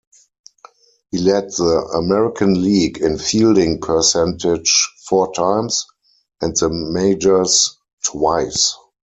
He led the American League in fielding percentage four times, and the majors twice.